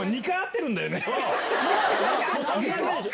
もう３回目でしょ？